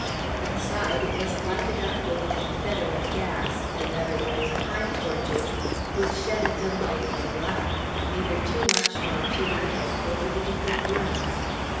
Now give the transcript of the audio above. Inside, it was lighted up with Confederate gas, in other words, pine torches, which shed a delightful light, neither too much nor too little, over the different rooms.